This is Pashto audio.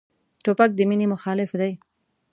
توپک د مینې مخالف دی.